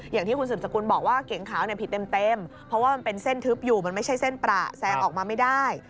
อย่างที่คุณสืบสกุลบอกว่าเก๋งขาวเนี่ยผิดเต็มเพราะว่ามันเป็นเส้นทึบอยู่มันไม่ใช่เส้นประแซงออกมาไม่ได้